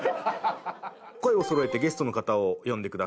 声をそろえてゲストの方を呼んでください。